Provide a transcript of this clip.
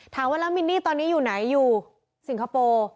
ถามว่าแล้วมินนี่ตอนนี้อยู่ไหนอยู่สิงคโปร์